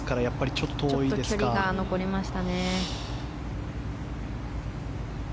ちょっと距離が残りましたね。